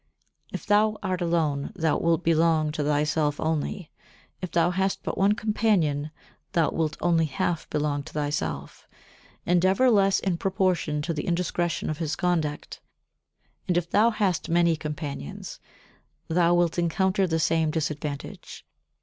If thou art alone, thou wilt belong to thyself only: if thou hast but one companion, thou wilt only half belong to thyself, and ever less in proportion to the indiscretion of his conduct; and if thou hast many companions, thou wilt encounter the same disadvantage.